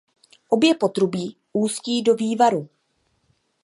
Obě potrubí ústí do vývaru.